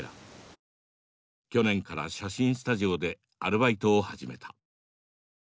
去年から写真スタジオでアルバイトを始めた。